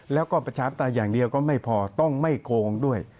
แล้วก็ประชาธิปไตยอย่างเดียวก็ไม่พอต้องไม่โกงด้วย